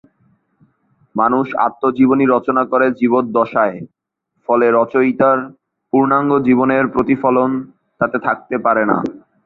মানুষ আত্মজীবনী রচনা করে জীবদ্দশায়, ফলে রচয়িতার পূর্ণাঙ্গ জীবনের প্রতিফলন তাতে থাকতে পারে না।